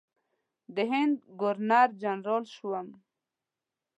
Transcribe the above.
د هند ګورنر جنرال شوم.